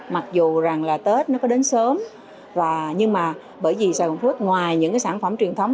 mặc dù tết có đến sớm nhưng bởi vì sàn góc phước ngoài những sản phẩm truyền thống